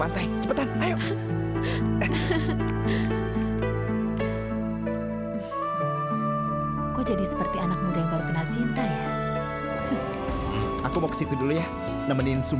ayah angkatku sudah meninggal